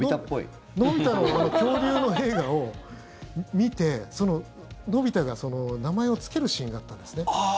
のび太の恐竜の映画を見てのび太が名前をつけるシーンがあったんですね。